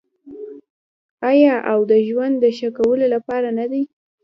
آیا او د ژوند د ښه کولو لپاره نه دی؟